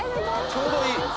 ちょうどいい。